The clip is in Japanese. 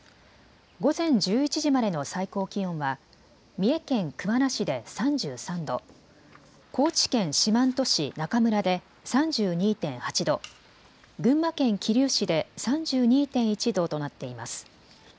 午前１１時までの最高気温は三重県桑名市で３３度、高知県四万十市中村で３２．８度、群馬県桐生市で３２．１度となっています。